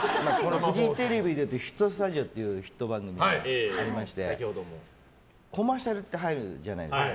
フジテレビの「ヒットスタジオ」っていう番組がありましてコマーシャルって入るじゃないですか。